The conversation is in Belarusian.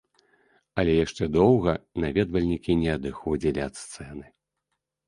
Але яшчэ доўга наведвальнікі не адыходзілі ад сцэны.